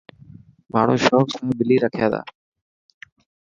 ماڻهو شونڪ سان ٻلي رکيا تا.